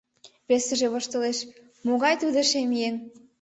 — Весыже воштылеш: - Могай тудо шем еҥ?